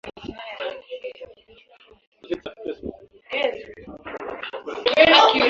Jumba limeanguka